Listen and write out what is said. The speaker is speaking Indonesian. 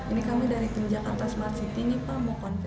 ini kami dari tim jakarta smart city nih pak mau konvoy